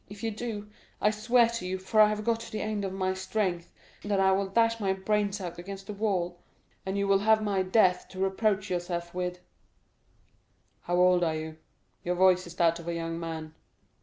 If you do, I swear to you, for I have got to the end of my strength, that I will dash my brains out against the wall, and you will have my death to reproach yourself with." "How old are you? Your voice is that of a young man."